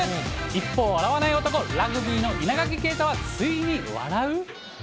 一方、笑わない男、ラグビーの稲垣けいたはついに笑う？